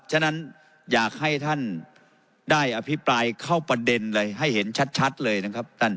ฉะนั้นอยากให้ท่านได้อภิปรายเข้าประเด็นเลยให้เห็นชัดเลยนะครับท่าน